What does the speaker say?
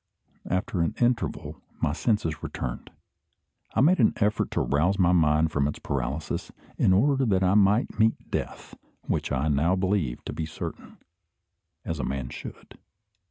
After an interval my senses returned. I made an effort to rouse my mind from its paralysis, in order that I might meet death, which I now believed to be certain, as a man should.